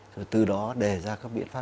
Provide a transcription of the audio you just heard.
rồi từ đó đề ra các biện pháp